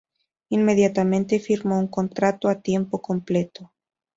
Inmediatamente firmó un contrato a tiempo completo.